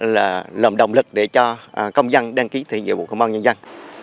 là lợn động lực để cho công dân đăng ký thiện nhiệm vụ công an nhân dân